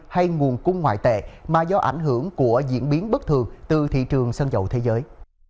hay nguồn cung ngoại tệ mà do ảnh hưởng của diễn biến bất thường từ thị trường xăng dầu thế giới